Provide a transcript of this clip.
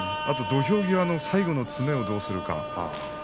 土俵際の最後の攻めをどうするか。